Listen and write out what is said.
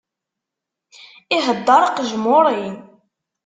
Ihedder qejmuri!